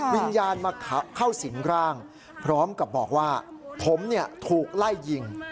วิญญาณมาเข้าสิงร่างพร้อมกับบอกว่าผมถูกไล่ยิง